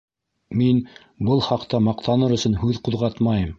Мин был хаҡта маҡтаныр өсөн һүҙ ҡуҙғатмайым.